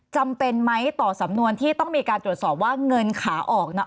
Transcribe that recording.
จำเป็นไหมต่อสำนวนที่ต้องมีการตรวจสอบว่าเงินขาออกน่ะ